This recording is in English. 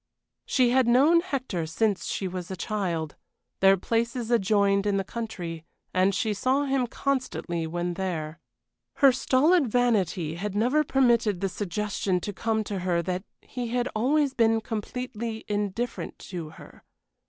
She had known Hector since she was a child. Their places adjoined in the country, and she saw him constantly when there. Her stolid vanity had never permitted the suggestion to come to her that he had always been completely indifferent to her.